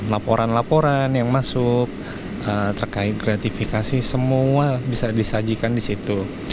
laporan laporan yang masuk terkait gratifikasi semua bisa disajikan di situ